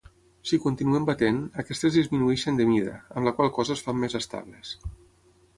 Si continuem batent, aquestes disminueixen de mida, amb la qual cosa es fan més estables.